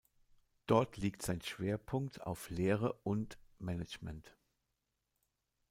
Dort liegt sein Schwerpunkt auf Lehre und Management.